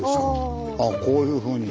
あこういうふうに。